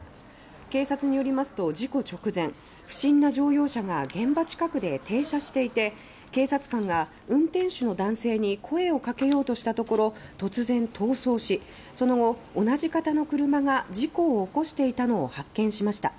警察によりますと事故直前、不審な乗用車が現場近くで停車していて警察官が運転手の男性に声をかけようとしたところ突然逃走しその後、同じ型の車が事故を起こしていたのを発見しました。